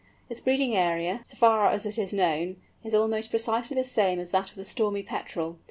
Its breeding area, so far as it is known, is almost precisely the same as that of the Stormy Petrel.